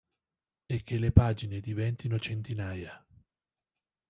E che le pagine diventino centinaia.